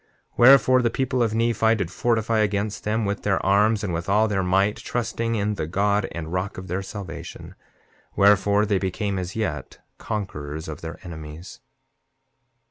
7:25 Wherefore, the people of Nephi did fortify against them with their arms, and with all their might, trusting in the God and rock of their salvation; wherefore, they became as yet, conquerors of their enemies.